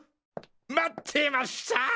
待ってました！